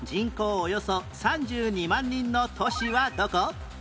およそ３２万人の都市はどこ？